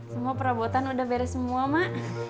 semua perabotan udah beres semua mak